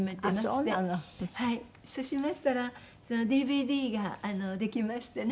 そうしましたらＤＶＤができましてね。